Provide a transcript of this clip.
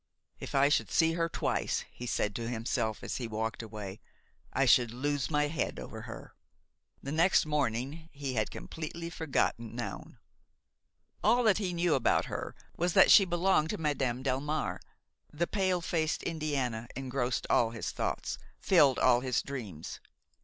"If I should see her twice," he said to himself as he walked away, "I should lose my head over her." The next morning he had completely forgotten Noun. All that he knew about her was that she belonged to Madame Delmare. The pale faced Indiana engrossed all his thoughts, filled all his dreams.